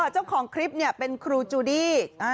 เจ้าของคลิปเป็นครูจูดี้